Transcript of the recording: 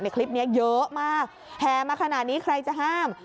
คลิปนี้เยอะมากแห่มาขนาดนี้ใครจะห้าม